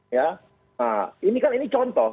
nah ini kan ini contoh